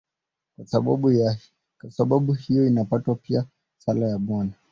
Kwa sababu hiyo inaitwa pia "Sala ya Bwana".